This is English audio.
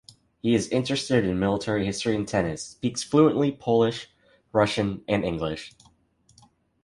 He is interested in military history and tennis; speaks fluently Polish, Russian and English.